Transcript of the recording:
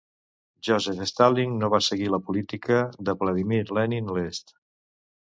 Joseph Stalin no va seguir la política de Vladimir Lenin a l'est.